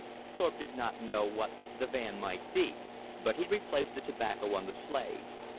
Thorpe did not know what the "van" might be, but he replaced the tobacco on the sleigh.